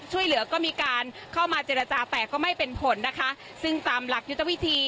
ช่วยเหลือก็มีการเข้ามาเจรจาแต่ก็ไม่เป็นผลนะคะซึ่งตามหลักยุทธวิธี